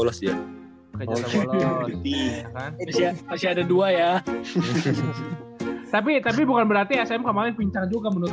lagi pakai jatah bolos ya ada dua ya tapi tapi bukan berarti asmq paling pincar juga menurut